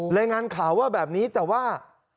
รายงานข่าวว่าแบบนี้แต่ว่า